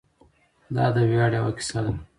دا د ویاړ یوه کیسه ده.